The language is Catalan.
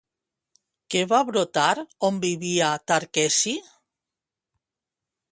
Què va brotar on vivia Tarqueci?